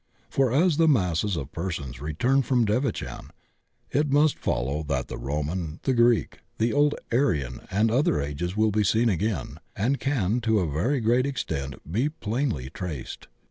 For as the masses of persons return from devachan, it must fol low that the Roman, the Greek, the old Aryan and other Ages will be seen again and can to a very great extent be plainly traced.